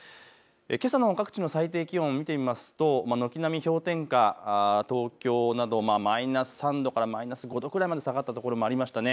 けさの各地の最低気温見てみますと軒並み氷点下、東京などマイナス３度からマイナス５度くらいまで下がった所もありましたね。